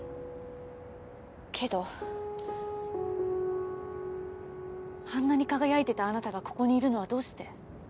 けどあんなに輝いてたあなたがここにいるのはどうして？